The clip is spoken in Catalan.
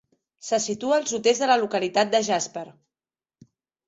Se situa al sud-est de la localitat de Jasper.